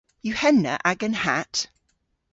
Yw henna agan hatt?